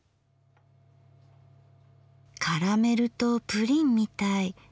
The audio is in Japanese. カラメルとプリンみたい。